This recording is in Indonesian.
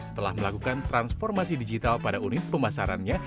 setelah melakukan transformasi digital pada unit pemasarannya